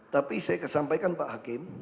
tapi saya sampaikan pak hakim